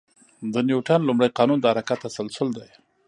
د نیوتن لومړی قانون د حرکت تسلسل دی.